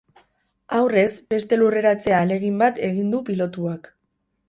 Aurrez, beste lurreratze ahalegin bat egin du pilotuak.